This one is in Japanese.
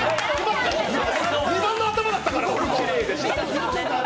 ２番の頭だったから。